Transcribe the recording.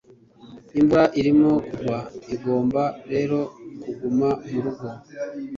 imvura irimo kugwa, ugomba rero kuguma murugo